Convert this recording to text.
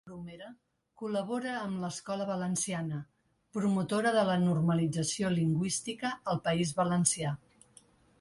L’editorial Bromera col·labora amb Escola Valenciana, promotora de la normalització lingüística al País Valencià.